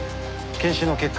検視の結果